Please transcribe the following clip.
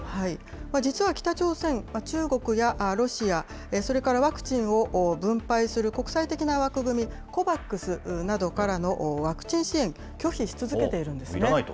実は、北朝鮮、中国やロシア、それからワクチンを分配する国際的な枠組み、ＣＯＶＡＸなどからのワクチン支援、いらないと？